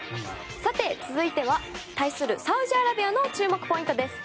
さて、続いては対するサウジアラビアの注目ポイントです。